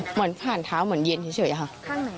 เหมือนผ่านเท้าเหมือนเย็นเฉยครับ